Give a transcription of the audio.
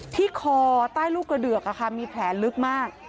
ที่คอใต้ลูกกระเดือกมีแผลลึกมาก